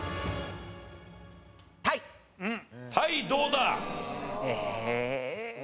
タイどうだ？ええ？